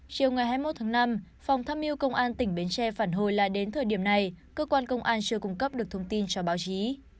chiều ngày hai mươi một tháng năm phòng tham mưu công an tỉnh bến tre phản hồi là đến thời điểm này cơ quan công an chưa cung cấp được thông tin cho báo chí